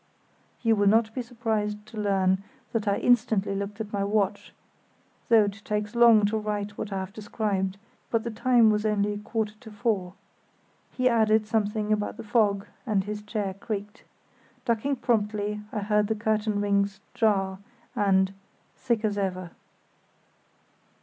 (You will not be surprised to learn that I instantly looked at my watch—though it takes long to write what I have described—but the time was only a quarter to four.) He added something about the fog, and his chair creaked. Ducking promptly I heard the curtain rings jar, and: "Thick as ever."